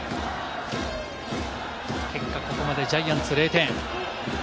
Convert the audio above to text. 結果、ここまでジャイアンツ０点。